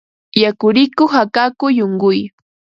Yakurikuq akakuy unquy